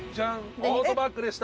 「トートバッグでした！」